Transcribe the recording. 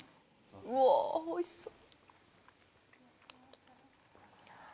うわおいしそう！